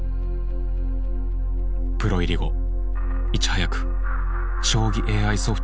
プロ入り後いち早く将棋ＡＩソフトを導入。